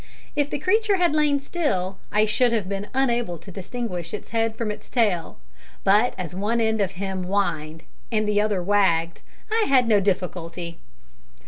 If the creature had lain still, I should have been unable to distinguish its head from its tail; but as one end of him whined, and the other wagged, I had no difficulty.